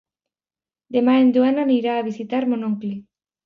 Demà en Joan anirà a visitar mon oncle.